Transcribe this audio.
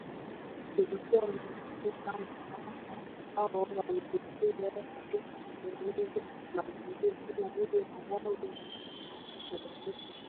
kiukoo ni vita maana wao walitokea katika maeneo mbalimbali kama vile Malawi na Msumbiji